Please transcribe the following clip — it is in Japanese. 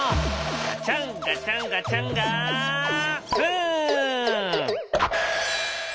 ガチャンガチャンガチャンガフン！